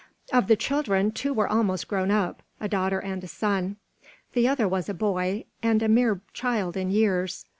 Of the children, two were almost grown up a daughter and a son; the other was a boy, and a mere child in years.